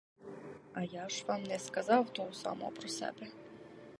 А я ж вам не сказав того самого про себе.